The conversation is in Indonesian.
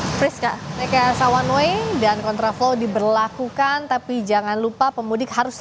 friska rekayasa one way dan kontraflow diberlakukan tapi jangan lupa pemudik harus